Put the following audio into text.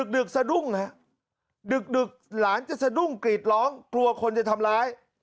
ดึกสะดุ้งฮะดึกหลานจะสะดุ้งกรีดร้องกลัวคนจะทำร้าย